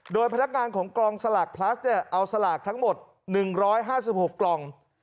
โดยพนักงานของกองสลากพลัสเนี่ยเอาสลากทั้งหมด๑๕๖กล่อง